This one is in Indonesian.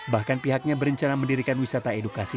bahkan pihaknya berencana mendirikan wisata edukasi